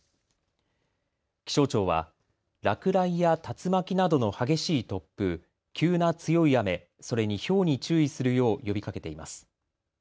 気象庁は落雷や竜巻などの激しい突風、急な強い雨、それにひょうに注意するよう呼びかけています。